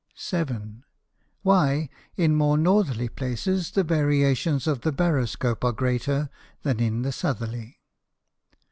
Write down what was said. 7. _Why in more Northerly places the Variations of the Baroscope are greater than in the Southerly?